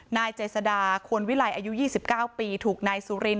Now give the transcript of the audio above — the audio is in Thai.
นายเจษดาควรวิลัยอายุ๒๙ปีถูกนายสุริน